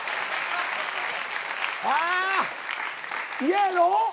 あ嫌やろ？